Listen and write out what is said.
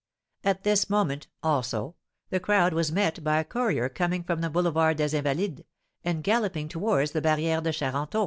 At this moment, also, the crowd was met by a courier coming from the Boulevard des Invalides, and galloping towards the Barrière de Charenton.